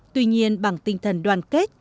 tuy nhiên bằng tinh thần đoàn kết